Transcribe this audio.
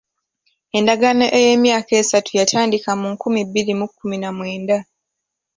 Endagaano ey'emyaka esatu yatandika mu nkumi bbiri mu kkumi na mwenda.